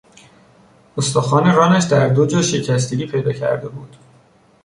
استخوان رانش در دو جا شکستگی پیدا کرده بود.